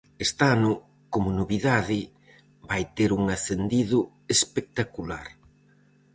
Este ano, como novidade, vai ter un acendido espectacular.